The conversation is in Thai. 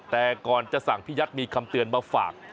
แต่ก่อนจะสั่งพี่ยัดมีคำเตือนมาฝาก